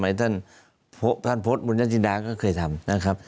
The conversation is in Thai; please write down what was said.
หรือท่านพจน์บุญจันทร์จินดังเคยทำนะครับ